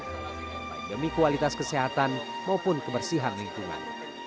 baik demi kualitas kesehatan maupun kebersihan lingkungan